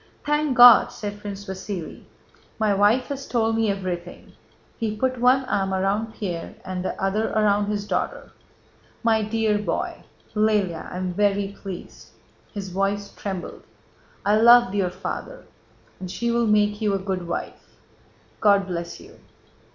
"Thank God!" said Prince Vasíli. "My wife has told me everything!" (He put one arm around Pierre and the other around his daughter.)—"My dear boy... Lëlya... I am very pleased." (His voice trembled.) "I loved your father... and she will make you a good wife... God bless you!..."